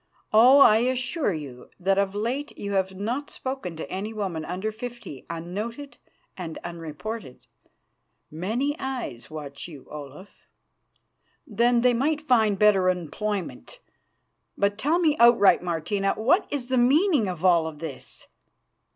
Oh! I assure you that of late you have not spoken to any woman under fifty unnoted and unreported. Many eyes watch you, Olaf." "Then they might find better employment. But tell me outright, Martina, what is the meaning of all this?"